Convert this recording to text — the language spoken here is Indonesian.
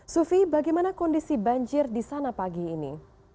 sufi bagaimana kondisi banjir di sana pagi ini